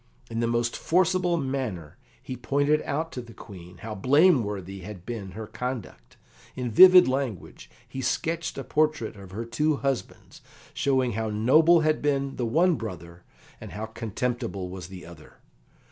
In the most forcible manner he pointed out to the Queen how blameworthy had been her conduct. In vivid language he sketched a portrait of her two husbands, showing how noble had been the one brother, and how contemptible was the other.